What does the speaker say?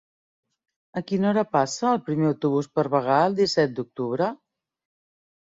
A quina hora passa el primer autobús per Bagà el disset d'octubre?